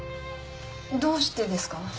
どうしてですか？